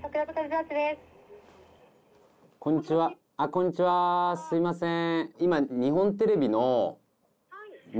こんにちはすいません。